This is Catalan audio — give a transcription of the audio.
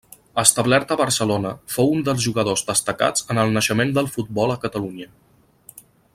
Establert a Barcelona, fou un dels jugadors destacats en el naixement del futbol a Catalunya.